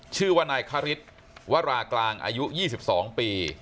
ชื่อว่านายคาริตวรากลางอายุยี่สิบสองปี